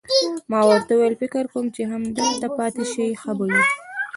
ما ورته وویل: فکر کوم چې که همدلته پاتې شئ، ښه به وي.